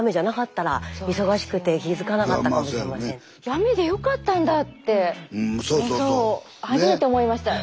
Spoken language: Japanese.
雨で良かったんだって初めて思いました。